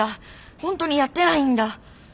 ほんとにやってないんだ！